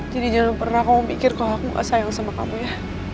jadi jangan pernah kamu mikir kalo aku ga sayang sama kamu ya